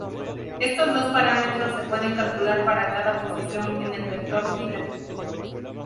Estos dos parámetros se pueden calcular para cada posición en el vector fila.